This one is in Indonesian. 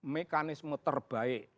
biarlah mekanisme terbaik